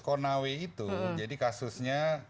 konawe itu jadi kasusnya